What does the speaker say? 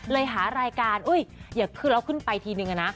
เลยหารายการอุ๊ยอย่าขึ้นเราขึ้นไปทีนึงนะ